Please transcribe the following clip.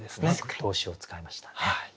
動詞を使いましたね。